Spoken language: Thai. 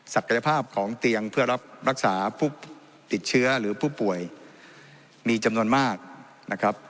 ศักยภาพของเตียงเพื่อรับรักษาผู้ติดเชื้อหรือผู้ป่วยมีจำนวนมากนะครับ